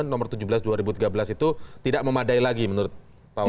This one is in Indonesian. nomor tujuh belas dua ribu tiga belas itu tidak memadai lagi menurut pak wali